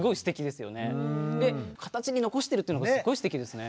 で形に残してるっていうのがすっごいすてきですね。